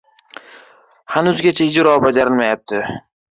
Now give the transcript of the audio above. Hanuzgacha ijro bajarilmayapti